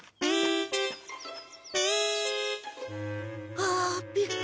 あびっくりした。